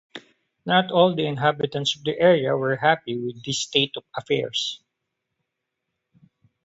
Not all the inhabitants of the area were happy with this state of affairs.